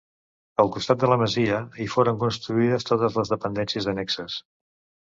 Al costat de la masia hi foren construïdes totes les dependències annexes.